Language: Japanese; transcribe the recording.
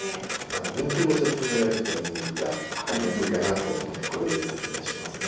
分球の説明はちょっとニンニクが分かりやすいかなと思うんでこれで説明しますね。